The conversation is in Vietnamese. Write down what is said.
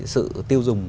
sự tiêu dùng